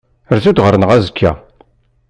Rzu-d ɣur-neɣ azekka.